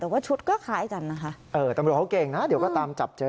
แต่ว่าชุดก็คล้ายกันนะคะ